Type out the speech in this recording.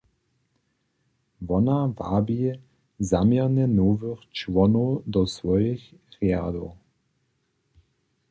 Wona wabi zaměrnje nowych čłonow do swojich rjadow.